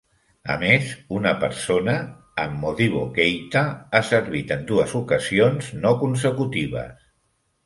A més, una persona, en Modibo Keita, ha servit en dues ocasions no consecutives.